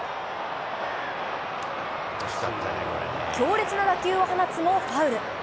強烈な打球を放つもファウル。